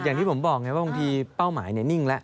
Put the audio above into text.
แล้ววันนี้ผมบอกว่าบางทีเป้าหมายนี่นิ่งแล้ว